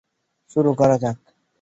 শুরু করা যাক!